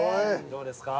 どうですか？